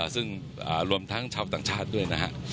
ซึ่งรวมทั้งชาวต่างชาติด้วยนะฮะ